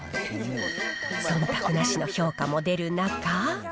そんたくなしの評価も出る中。